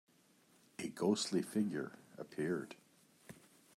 A ghostly figure appeared.